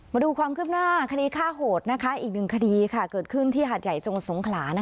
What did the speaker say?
มาดูความคืบหน้าคดีฆ่าโหดอีกหนึ่งคดีเกิดขึ้นที่หาดใหญ่จังหวัดสงขลา